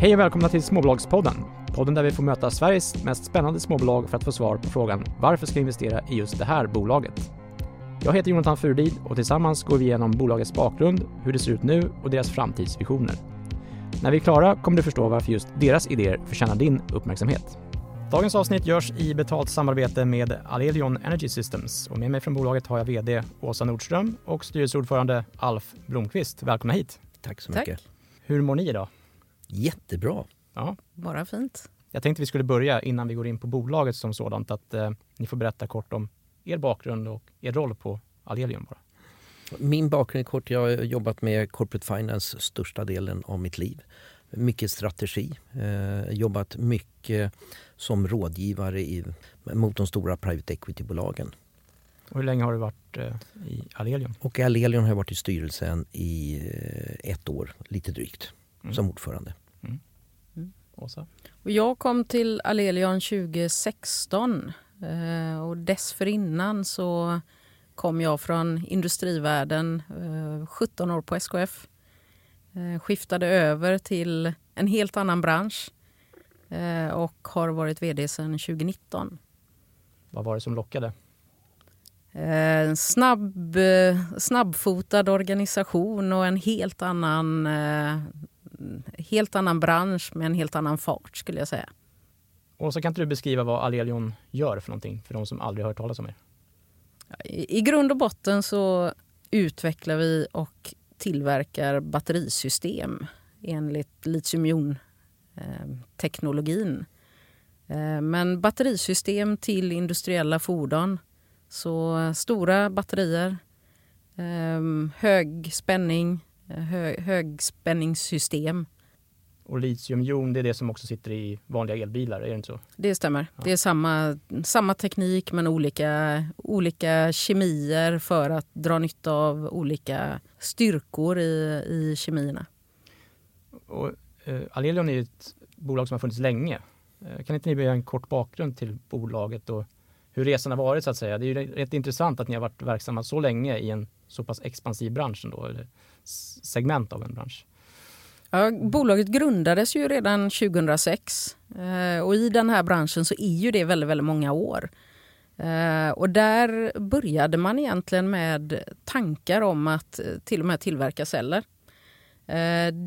Hej och välkomna till Småbolagspodden. Podden där vi får möta Sveriges mest spännande småbolag för att få svar på frågan: Varför ska vi investera i just det här bolaget? Jag heter Jonathan Furudih och tillsammans går vi igenom bolagets bakgrund, hur det ser ut nu och deras framtidsvisioner. När vi är klara kommer du förstå varför just deras idéer förtjänar din uppmärksamhet. Dagens avsnitt görs i betalt samarbete med Alelion Energy Systems och med mig från bolaget har jag VD Åsa Nordström och Styrelseordförande Alf Blomqvist. Välkomna hit. Tack så mycket. Tack. Hur mår ni i dag? Jättebra. Ja. Bara fint. Jag tänkte vi skulle börja innan vi går in på bolaget som sådant. Att ni får berätta kort om er bakgrund och er roll på Alelion bara. Min bakgrund kort, jag har jobbat med corporate finance största delen av mitt liv. Mycket strategi. Jobbat mycket som rådgivare i, mot de stora private equity-bolagen. Hur länge har du varit i Alelion? i Alelion har jag varit i styrelsen i ett år, lite drygt, som ordförande. Åsa? Jag kom till Alelion 2016. Dessförinnan så kom jag från industrivärlden, 17 år på SKF. Skiftade över till en helt annan bransch, och har varit VD sedan 2019. Vad var det som lockade? En snabb, snabbfotad organisation och en helt annan bransch med en helt annan fart skulle jag säga. Åsa, kan inte du beskriva vad Alelion gör för någonting för de som aldrig hört talas om er? I grund och botten så utvecklar vi och tillverkar batterisystem enligt litiumjon teknologin. Batterisystem till industriella fordon. Stora batterier, högspänningssystem. Litiumjon, det är det som också sitter i vanliga elbilar. Är det inte så? Det stämmer. Det är samma teknik men olika kemier för att dra nytta av olika styrkor i kemierna. Alelion är ju ett bolag som har funnits länge. Kan inte ni ge en kort bakgrund till bolaget och hur resan har varit så att säga? Det är ju rätt intressant att ni har varit verksamma så länge i en så pass expansiv bransch ändå, segment av en bransch. Bolaget grundades ju redan 2006. I den här branschen så är ju det väldigt många år. Där började man egentligen med tankar om att till och med tillverka celler.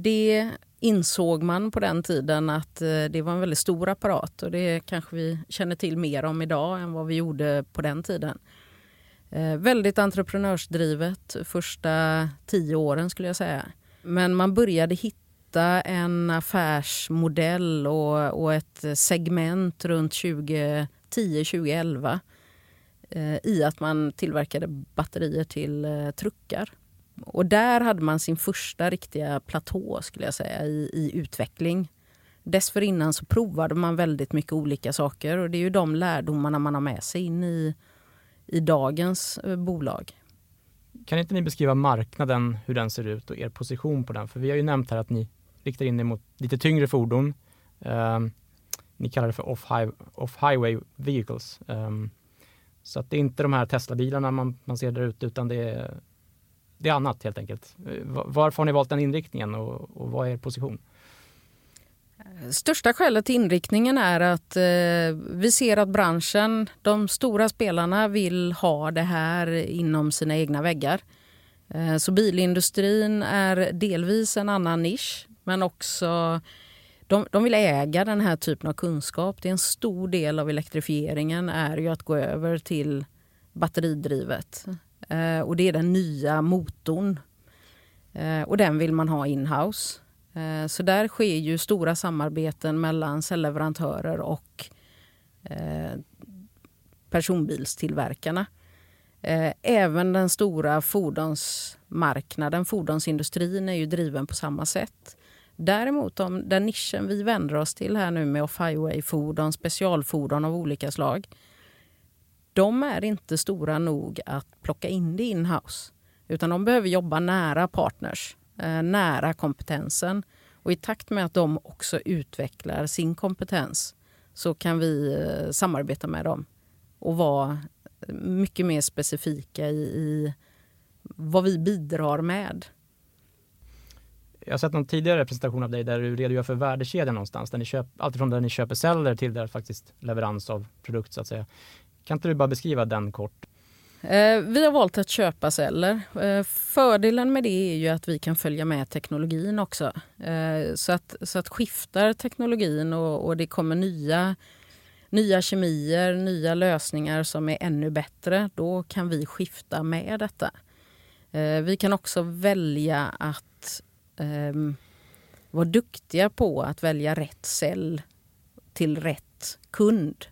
Det insåg man på den tiden att det var en väldigt stor apparat och det kanske vi känner till mer om i dag än vad vi gjorde på den tiden. Väldigt entreprenörsdrivet första tio åren skulle jag säga. Man började hitta en affärsmodell och ett segment runt 2010, 2011, i att man tillverkade batterier till truckar. Där hade man sin första riktiga platå skulle jag säga i utveckling. Dessförinnan så provade man väldigt mycket olika saker och det är ju de lärdomarna man har med sig in i dagens bolag. Kan inte ni beskriva marknaden, hur den ser ut och er position på den? För vi har ju nämnt här att ni riktar in er mot lite tyngre fordon. Ni kallar det för off-highway vehicles. Så att det är inte de här Tesla-bilarna man ser där ute, utan det är annat helt enkelt. Varför har ni valt den inriktningen och vad är er position? Största skälet till inriktningen är att vi ser att branschen, de stora spelarna, vill ha det här inom sina egna väggar. Bilindustrin är delvis en annan nisch, men också de vill äga den här typen av kunskap. Det är en stor del av elektrifieringen är ju att gå över till batteridrivet. Det är den nya motorn. Den vill man ha in house. Där sker ju stora samarbeten mellan cellleverantörer och personbilstillverkarna. Även den stora fordonsmarknaden, fordonsindustrin är ju driven på samma sätt. Däremot den nischen vi vänder oss till här nu med off-highway-fordon, specialfordon av olika slag. De är inte stora nog att plocka in det in house, utan de behöver jobba nära partners, nära kompetensen. I takt med att de också utvecklar sin kompetens så kan vi samarbeta med dem och vara mycket mer specifika i vad vi bidrar med. Jag har sett någon tidigare presentation av dig där du redogör för värdekedjan någonstans. Alltifrån där ni köper celler till där det är faktiskt leverans av produkt så att säga. Kan inte du bara beskriva den kort? Vi har valt att köpa celler. Fördelen med det är ju att vi kan följa med teknologin också. Så att skiftar teknologin och det kommer nya kemier, nya lösningar som är ännu bättre, då kan vi skifta med detta. Vi kan också välja att vara duktiga på att välja rätt cell till rätt kund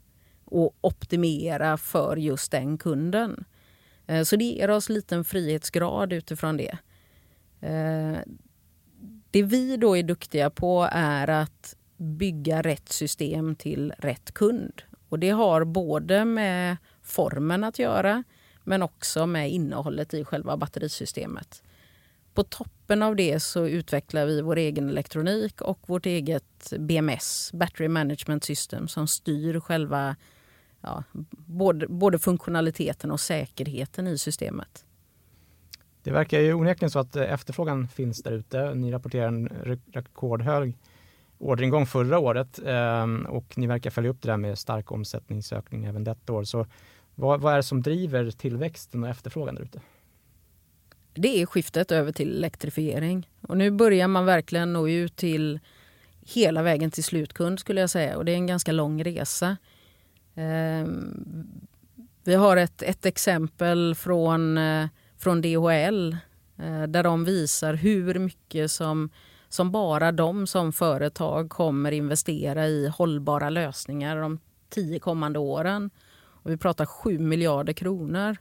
och optimera för just den kunden. Så det ger oss liten frihetsgrad utifrån det. Det vi då är duktiga på är att bygga rätt system till rätt kund. Det har både med formen att göra, men också med innehållet i själva batterisystemet. På toppen av det så utvecklar vi vår egen elektronik och vårt eget BMS, Battery Management System, som styr själva både funktionaliteten och säkerheten i systemet. Det verkar ju onekligen så att efterfrågan finns där ute. Ni rapporterar en rekordhög orderingång förra året och ni verkar följa upp det där med stark omsättningsökning även detta år. Vad är det som driver tillväxten och efterfrågan där ute? Det är skiftet över till elektrifiering och nu börjar man verkligen nå ut till hela vägen till slutkund skulle jag säga. Och det är en ganska lång resa. Vi har ett exempel från DHL där de visar hur mycket som bara de som företag kommer investera i hållbara lösningar de 10 kommande åren. Och vi pratar 7 miljarder kronor.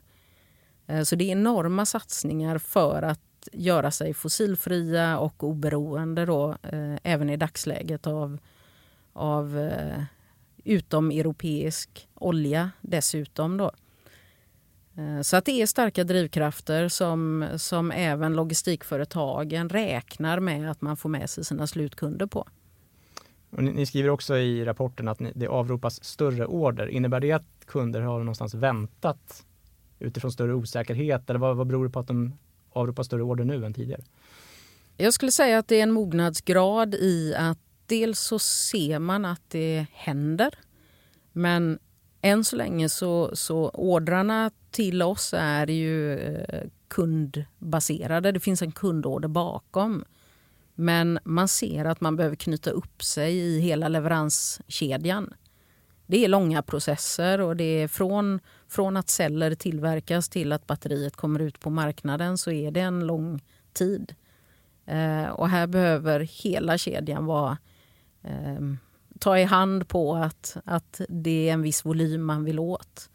Så det är enorma satsningar för att göra sig fossilfria och oberoende då även i dagsläget av utomeuropeisk olja dessutom då. Så att det är starka drivkrafter som även logistikföretagen räknar med att man får med sig sina slutkunder på. Ni skriver också i rapporten att det avropas större order. Innebär det att kunder har någonstans väntat utifrån större osäkerhet? Eller vad beror det på att de avropar större order nu än tidigare? Jag skulle säga att det är en mognadsgrad i att dels så ser man att det händer, men än så länge så ordrarna till oss är ju kundbaserade. Det finns en kundorder bakom, men man ser att man behöver knyta upp sig i hela leveranskedjan. Det är långa processer och det är från att celler tillverkas till att batteriet kommer ut på marknaden så är det en lång tid. Här behöver hela kedjan ta i hand på att det är en viss volym man vill åt.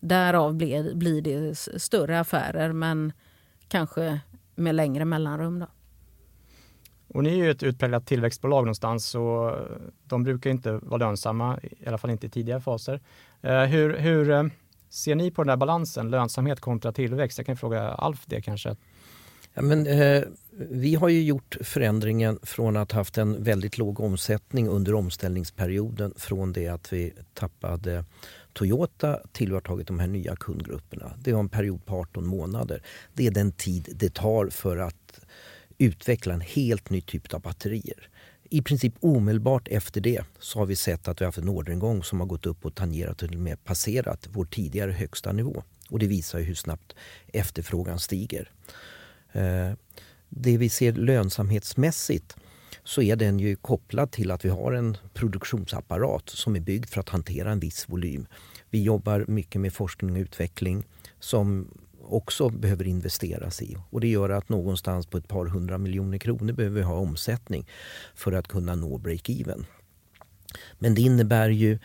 Därav blir det större affärer men kanske med längre mellanrum då. Ni är ju ett utpräglat tillväxtbolag någonstans och de brukar inte vara lönsamma, i alla fall inte i tidiga faser. Hur ser ni på den där balansen? Lönsamhet kontra tillväxt? Jag kan ju fråga Alf det kanske. Vi har ju gjort förändringen från att ha haft en väldigt låg omsättning under omställningsperioden från det att vi tappade Toyota till vi har tagit de här nya kundgrupperna. Det var en period på 18 månader. Det är den tid det tar för att utveckla en helt ny typ av batterier. I princip omedelbart efter det så har vi sett att vi har haft en orderingång som har gått upp och tangerat eller mer passerat vår tidigare högsta nivå. Det visar ju hur snabbt efterfrågan stiger. Det vi ser lönsamhetsmässigt så är den ju kopplad till att vi har en produktionsapparat som är byggd för att hantera en viss volym. Vi jobbar mycket med forskning och utveckling som också behöver investeras i. Det gör att någonstans på ett par 100 miljoner kronor behöver vi ha omsättning för att kunna nå break even. Det innebär ju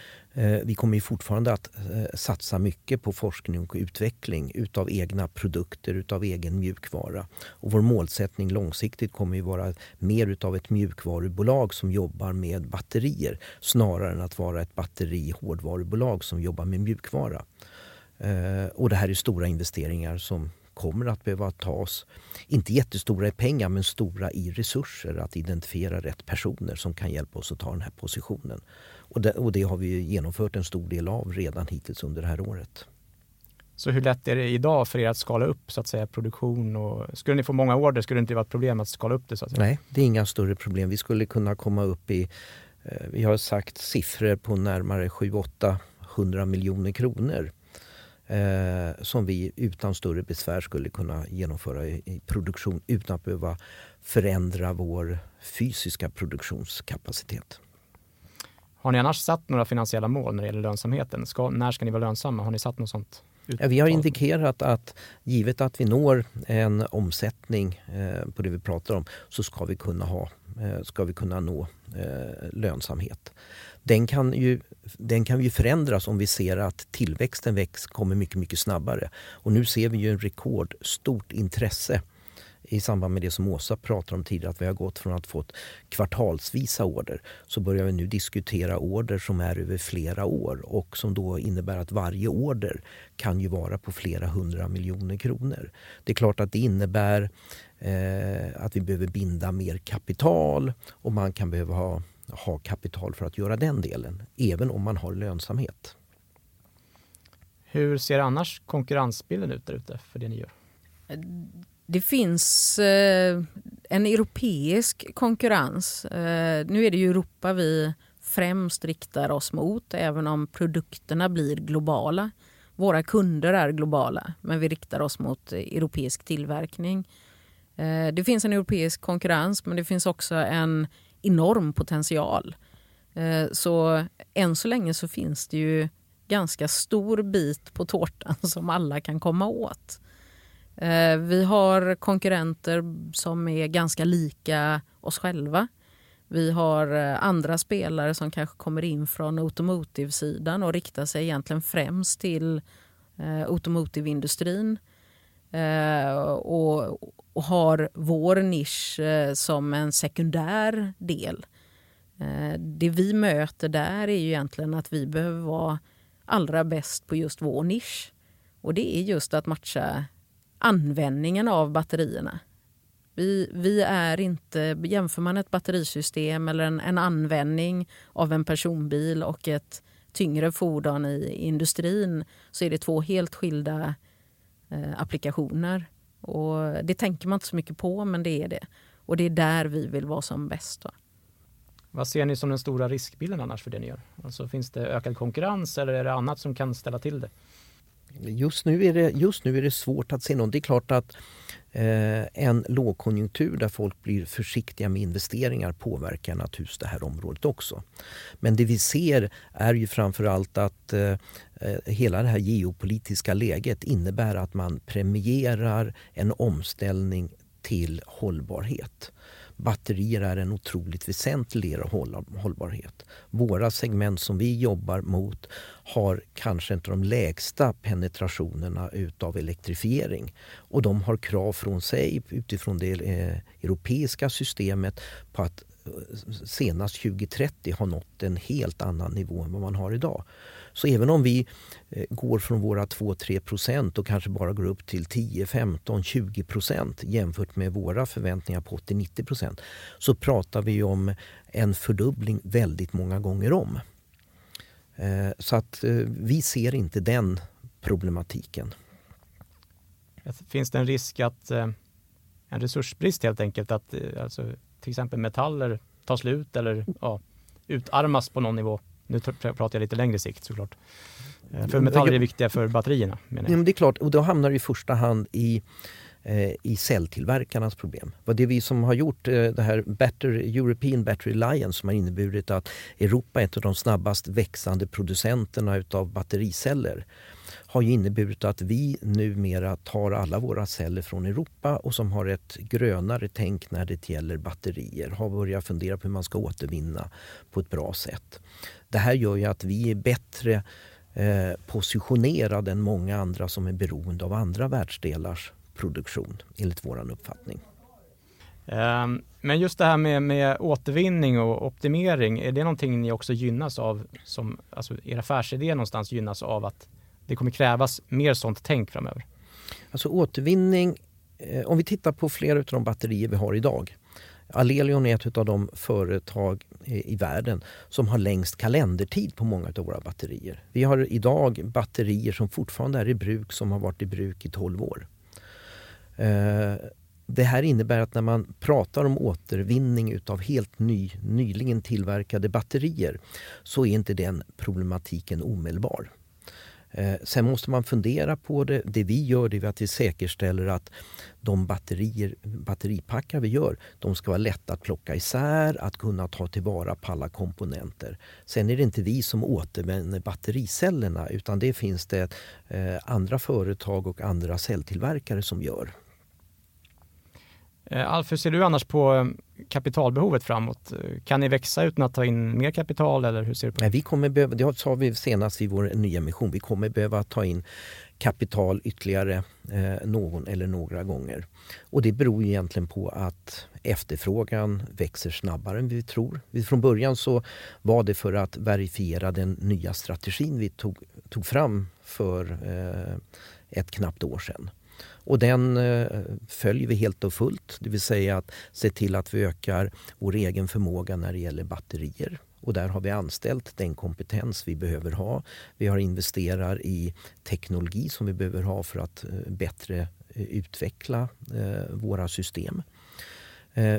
vi kommer ju fortfarande att satsa mycket på forskning och utveckling utav egna produkter, utav egen mjukvara. Vår målsättning långsiktigt kommer ju vara mer utav ett mjukvarubolag som jobbar med batterier snarare än att vara ett batterihårdvarubolag som jobbar med mjukvara. Det här är stora investeringar som kommer att behöva tas. Inte jättestora i pengar, men stora i resurser att identifiera rätt personer som kan hjälpa oss att ta den här positionen. Det har vi ju genomfört en stor del av redan hittills under det här året. Hur lätt är det i dag för er att skala upp så att säga produktion? Skulle ni få många order, skulle det inte vara ett problem att skala upp det så att säga? Nej, det är inga större problem. Vi skulle kunna komma upp i, vi har sagt siffror på närmare 700-800 miljoner kronor som vi utan större besvär skulle kunna genomföra i produktion utan att behöva förändra vår fysiska produktionskapacitet. Har ni annars satt några finansiella mål när det gäller lönsamheten? När ska ni vara lönsamma? Har ni satt något sånt? Vi har indikerat att givet att vi når en omsättning på det vi pratar om så ska vi kunna nå lönsamhet. Den kan ju förändras om vi ser att tillväxten växer, kommer mycket mycket snabbare. Nu ser vi ju en rekordstort intresse i samband med det som Åsa pratar om tidigare, att vi har gått från att få kvartalsvisa order. Vi börjar nu diskutera order som är över flera år och som då innebär att varje order kan ju vara på flera hundra miljoner SEK. Det är klart att det innebär att vi behöver binda mer kapital och man kan behöva ha kapital för att göra den delen, även om man har lönsamhet. Hur ser annars konkurrensbilden ut där ute för det ni gör? Det finns en europeisk konkurrens. Nu är det Europa vi främst riktar oss mot, även om produkterna blir globala. Våra kunder är globala, men vi riktar oss mot europeisk tillverkning. Det finns en europeisk konkurrens, men det finns också en enorm potential. Så än så länge så finns det ju ganska stor bit på tårtan som alla kan komma åt. Vi har konkurrenter som är ganska lika oss själva. Vi har andra spelare som kanske kommer in från automotivesidan och riktar sig egentligen främst till automotiveindustrin och har vår nisch som en sekundär del. Det vi möter där är ju egentligen att vi behöver vara allra bäst på just vår nisch och det är just att matcha användningen av batterierna. Jämför man ett batterisystem eller en användning av en personbil och ett tyngre fordon i industrin så är det två helt skilda applikationer. Det tänker man inte så mycket på, men det är det. Det är där vi vill vara som bäst va. Vad ser ni som den stora riskbilden annars för det ni gör? Alltså, finns det ökad konkurrens eller är det annat som kan ställa till det? Just nu är det svårt att se något. Det är klart att en lågkonjunktur där folk blir försiktiga med investeringar påverkar naturligtvis det här området också. Det vi ser är ju framför allt att hela det här geopolitiska läget innebär att man premierar en omställning till hållbarhet. Batterier är en otroligt väsentlig del av hållbarhet. Våra segment som vi jobbar mot har kanske inte de lägsta penetrationerna utav elektrifiering och de har krav från sig utifrån det europeiska systemet på att senast 2030 ha nått en helt annan nivå än vad man har i dag. Även om vi går från våra 2, 3% och kanske bara går upp till 10, 15, 20% jämfört med våra förväntningar på 80, 90%, så pratar vi ju om en fördubbling väldigt många gånger om. Att vi ser inte den problematiken. Finns det en risk att en resursbrist helt enkelt? Att, alltså, till exempel metaller tar slut eller, ja, utarmas på någon nivå? Nu pratar jag lite längre sikt så klart. För metaller är viktiga för batterierna menar jag. Ja, men det är klart. Då hamnar det i första hand i celltillverkarnas problem. Vad det vi som har gjort det här European Battery Alliance som har inneburit att Europa är ett av de snabbast växande producenterna utav battericeller har ju inneburit att vi numera tar alla våra celler från Europa och som har ett grönare tänk när det gäller batterier. Har börjat fundera på hur man ska återvinna på ett bra sätt. Det här gör ju att vi är bättre positionerade än många andra som är beroende av andra världsdelars produktion, enligt vår uppfattning. Just det här med återvinning och optimering, är det någonting ni också gynnas av? Som, alltså er affärsidé någonstans gynnas av att det kommer krävas mer sådant tänk framöver? Alltså återvinning, om vi tittar på flera utav de batterier vi har i dag. Alelion är ett utav de företag i världen som har längst kalendertid på många utav våra batterier. Vi har i dag batterier som fortfarande är i bruk som har varit i bruk i 12 år. Det här innebär att när man pratar om återvinning utav nyligen tillverkade batterier så är inte den problematiken omedelbar. Sen måste man fundera på det. Det vi gör, det är att vi säkerställer att de batterier, batteripackar vi gör, de ska vara lätta att plocka isär, att kunna ta tillvara på alla komponenter. Sen är det inte vi som återvinner battericellerna, utan det finns andra företag och andra celltillverkare som gör. Alf, hur ser du annars på kapitalbehovet framåt? Kan ni växa utan att ta in mer kapital? Eller hur ser du på det? Nej, vi kommer behöva, det sa vi senast vid vår nyemission. Vi kommer behöva ta in kapital ytterligare någon eller några gånger. Det beror ju egentligen på att efterfrågan växer snabbare än vi tror. Från början så var det för att verifiera den nya strategin vi tog fram för ett knappt år sen. Den följer vi helt och fullt. Det vill säga att se till att vi ökar vår egen förmåga när det gäller batterier. Där har vi anställt den kompetens vi behöver ha. Vi har investerat i teknologi som vi behöver ha för att bättre utveckla våra system.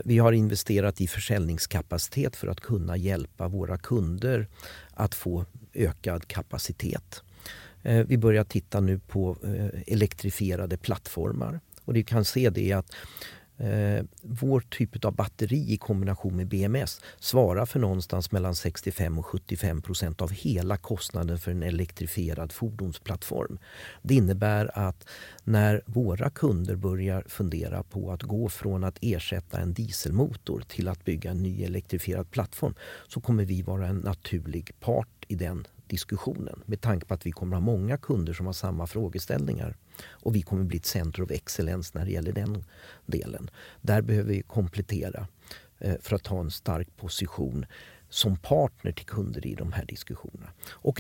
Vi har investerat i försäljningskapacitet för att kunna hjälpa våra kunder att få ökad kapacitet. Vi börjar titta nu på elektrifierade plattformar och vi kan se det att vår typ utav batteri i kombination med BMS svarar för någonstans mellan 65%-75% av hela kostnaden för en elektrifierad fordonsplattform. Det innebär att när våra kunder börjar fundera på att gå från att ersätta en dieselmotor till att bygga en ny elektrifierad plattform, så kommer vi vara en naturlig part i den diskussionen. Med tanke på att vi kommer ha många kunder som har samma frågeställningar och vi kommer bli ett center of excellence när det gäller den delen. Där behöver vi komplettera för att ha en stark position som partner till kunder i de här diskussionerna.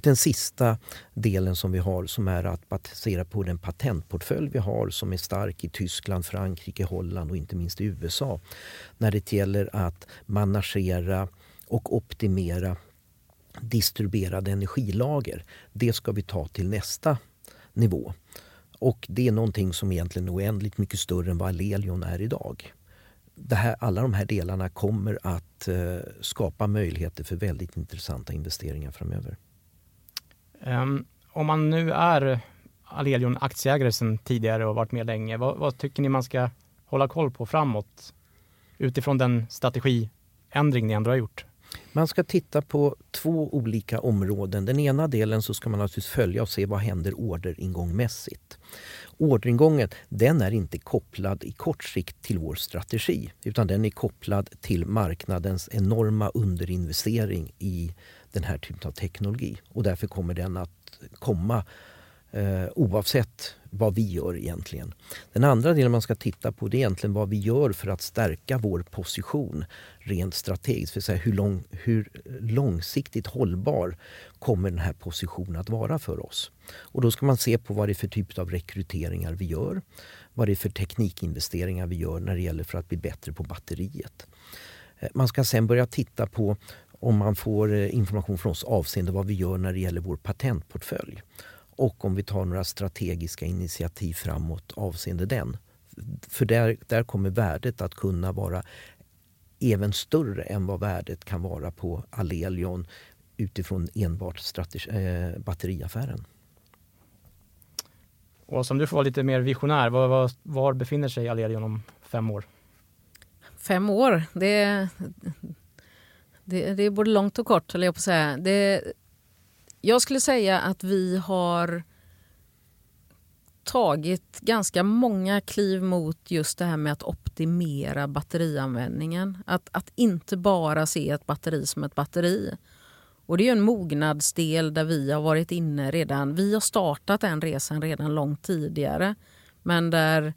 Den sista delen som vi har som är att basera på den patentportfölj vi har som är stark i Tyskland, Frankrike, Holland och inte minst i USA. När det gäller att managera och optimera distribuerade energilager, det ska vi ta till nästa nivå. Det är någonting som egentligen är oändligt mycket större än vad Alelion är i dag. Det här, alla de här delarna kommer att skapa möjligheter för väldigt intressanta investeringar framöver. Om man nu är Alelion aktieägare sedan tidigare och varit med länge, vad tycker ni man ska hålla koll på framåt utifrån den strategiändring ni ändå har gjort? Man ska titta på två olika områden. Den ena delen så ska man naturligtvis följa och se vad händer orderingångsmässigt. Orderingången, den är inte kopplad i kort sikt till vår strategi, utan den är kopplad till marknadens enorma underinvestering i den här typen av teknologi och därför kommer den att komma. Oavsett vad vi gör egentligen. Den andra delen man ska titta på är egentligen vad vi gör för att stärka vår position rent strategiskt. För att säga hur lång, hur långsiktigt hållbar kommer den här positionen att vara för oss. Då ska man se på vad det är för typ utav rekryteringar vi gör, vad det är för teknikinvesteringar vi gör när det gäller för att bli bättre på batteriet. Man ska sedan börja titta på om man får information från oss avseende vad vi gör när det gäller vår patentportfölj och om vi tar några strategiska initiativ framåt avseende den. För där kommer värdet att kunna vara även större än vad värdet kan vara på Alelion utifrån enbart batteriaffären. Åsa, om du får vara lite mer visionär, var befinner sig Alelion om fem år? 5 år? Det är både långt och kort, höll jag på att säga. Jag skulle säga att vi har tagit ganska många kliv mot just det här med att optimera batterianvändningen. Att inte bara se ett batteri som ett batteri. Det är ju en mognadsdel där vi har varit inne redan. Vi har startat den resan redan långt tidigare, men där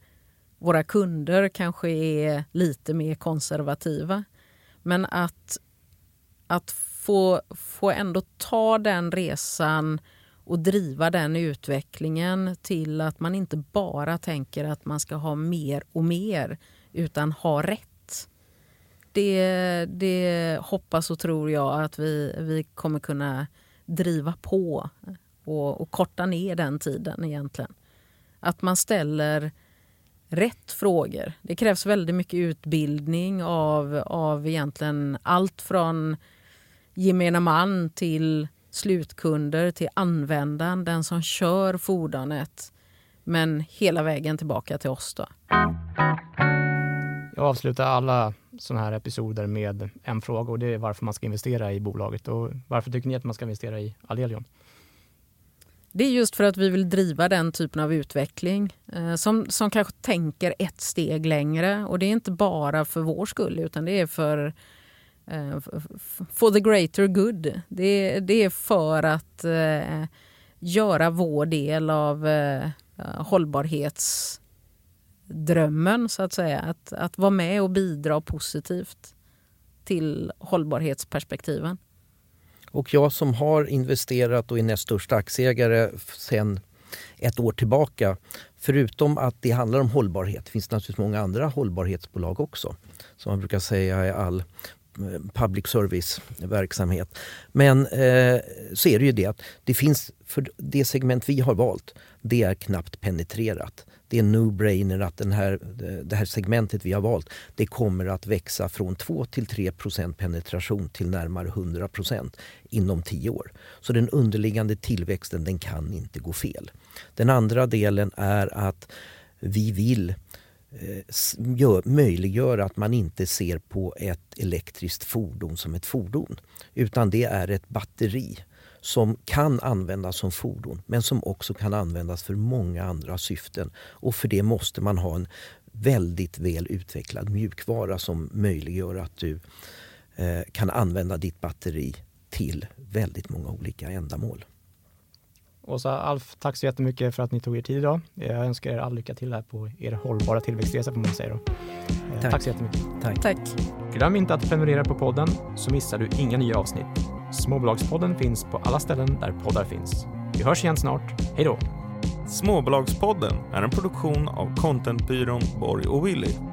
våra kunder kanske är lite mer konservativa. Men att få ändå ta den resan och driva den utvecklingen till att man inte bara tänker att man ska ha mer och mer, utan ha rätt. Det hoppas och tror jag att vi kommer kunna driva på och korta ner den tiden egentligen. Att man ställer rätt frågor. Det krävs väldigt mycket utbildning av egentligen allt från gemene man till slutkunder till användaren, den som kör fordonet, men hela vägen tillbaka till oss då. Jag avslutar alla såna här episoder med en fråga och det är varför man ska investera i bolaget. Varför tycker ni att man ska investera i Alelion? Det är just för att vi vill driva den typen av utveckling, som kanske tänker ett steg längre. Det är inte bara för vår skull, utan det är för the greater good. Det är för att göra vår del av hållbarhetsdrömmen så att säga. Att vara med och bidra positivt till hållbarhetsperspektiven. Jag som har investerat och är näst störst aktieägare sen 1 år tillbaka. Förutom att det handlar om hållbarhet, finns naturligtvis många andra hållbarhetsbolag också. Som man brukar säga i all public service verksamhet. Så är det ju det att det finns för det segment vi har valt, det är knappt penetrerat. Det är en no-brainer att den här, det här segmentet vi har valt, det kommer att växa från 2-3% penetration till närmare 100% inom 10 år. Så den underliggande tillväxten, den kan inte gå fel. Den andra delen är att vi vill möjliggöra att man inte ser på ett elektriskt fordon som ett fordon, utan det är ett batteri som kan användas som fordon, men som också kan användas för många andra syften. För det måste man ha en väldigt väl utvecklad mjukvara som möjliggör att du kan använda ditt batteri till väldigt många olika ändamål. Åsa, Alf, Tack så jättemycket för att ni tog er tid i dag. Jag önskar er all lycka till här på er hållbara tillväxtresa får man väl säga då. Tack. Tack så jättemycket. Tack. Glöm inte att prenumerera på podden så missar du inga nya avsnitt. Småbolagspodden finns på alla ställen där poddar finns. Vi hörs igen snart. Hejdå. Småbolagspodden är en produktion av Contentbyrån Borg & Owilli.